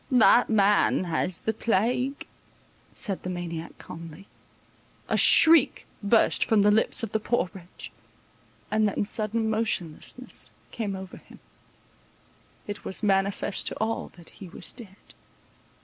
"That man has the plague," said the maniac calmly. A shriek burst from the lips of the poor wretch; and then sudden motionlessness came over him; it was manifest to all that he was dead.